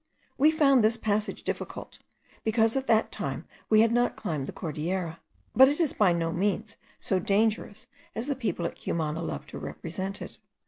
We found this passage difficult, because at that time we had not climbed the Cordilleras; but it is by no means so dangerous as the people at Cumana love to represent it.